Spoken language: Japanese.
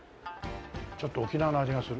ちょっと沖縄の味がする。